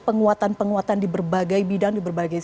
penguatan penguatan di berbagai bidang di berbagai